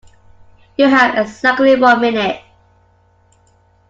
You have exactly one minute.